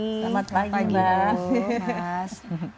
selamat pagi mas